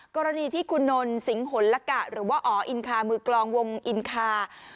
กรณีที่คุณนนสิงหลกะหรือว่าอ๋ออินคามือกลองวงอินคา